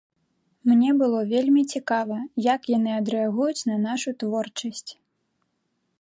Мне было вельмі цікава, як яны адрэагуюць на нашу творчасць.